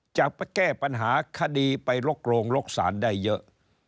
จะแก้ปัญหาคดีไปลกโรงลกสารได้เยอะ